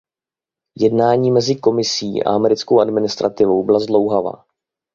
Jednání mezi Komisí a americkou administrativou byla zdlouhavá.